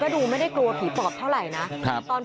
ดูไม่ได้กลัวผีปอบเท่าไหร่นะ